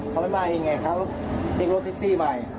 เขาไม่มาเองไงเขาเรียกรถเท็กซี่มา